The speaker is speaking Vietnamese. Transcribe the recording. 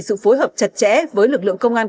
sự phối hợp chặt chẽ với lực lượng công an